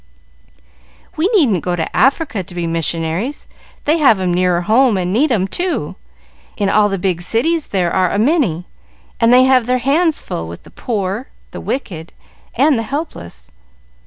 "We needn't go to Africa to be missionaries; they have 'em nearer home and need 'em, too. In all the big cities there are a many, and they have their hands full with the poor, the wicked, and the helpless.